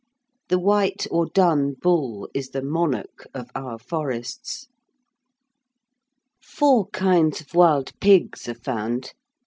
The white or dun bull is the monarch of our forests. Four kinds of wild pigs are found.